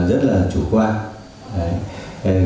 còn rất là chủ quan